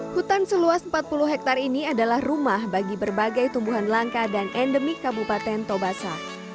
hutan seluas empat puluh hektare ini adalah rumah bagi berbagai tumbuhan langka dan endemik kabupaten tobasa